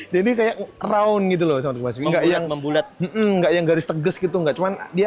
jadi kayak round gitu loh smart compas tv membulat membulat enggak yang garis tegas gitu enggak cuman dia